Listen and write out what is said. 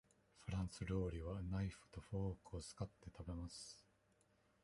フランス料理はナイフとフォークを使って食べます。